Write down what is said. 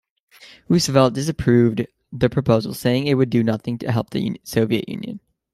Roosevelt "disapproved" the proposal, saying it would do nothing to help the Soviet Union.